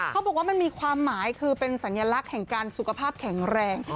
เขาบอกว่ามันมีความหมายคือเป็นสัญลักษณ์แห่งการสุขภาพแข็งแรง